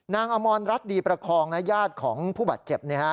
อมรรัฐดีประคองญาติของผู้บาดเจ็บ